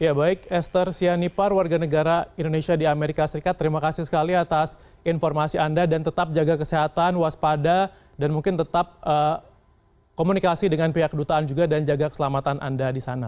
ya baik esther sianipar warga negara indonesia di amerika serikat terima kasih sekali atas informasi anda dan tetap jaga kesehatan waspada dan mungkin tetap komunikasi dengan pihak kedutaan juga dan jaga keselamatan anda di sana